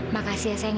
makasih ya sayangnya